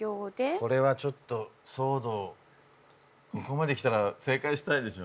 これはちょっとソードここまできたら正解したいでしょ